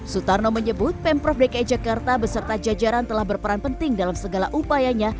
sutarno menyebut pemprov dki jakarta beserta jajaran telah berperan penting dalam segala upayanya